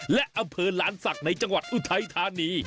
และอำเภอหลานศักดิ์ในจังหวัดอุทัยธานี